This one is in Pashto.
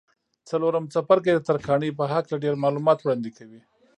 څلورم څپرکی د ترکاڼۍ په هکله ډېر معلومات وړاندې کوي.